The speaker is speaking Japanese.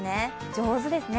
上手ですね。